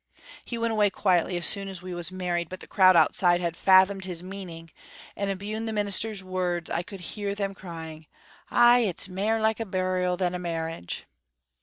He went away quietly as soon as we was married, but the crowd outside had fathomed his meaning, and abune the minister's words I could hear them crying, 'Ay, it's mair like a burial than a marriage!'